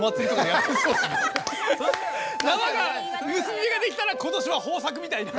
「結び目ができたら今年は豊作」みたいな。